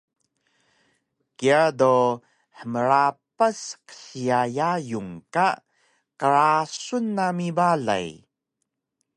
Kiya do hmrapas qsiya yayung ka qrasun nami balay